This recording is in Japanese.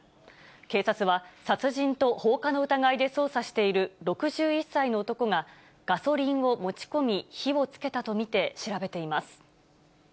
警察は、殺人と放火の疑いで捜査している６１歳の男が、ガソリンを持ち込み、火をつけたと見て調べています。